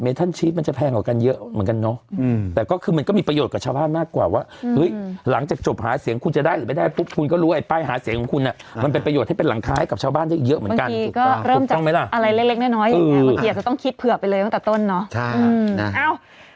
มันถี่มันแปลกเยอะคุณชช่านอ่ะป้ายเขาอาจจะเล็กแล้วสูงคือถ้าสมมติ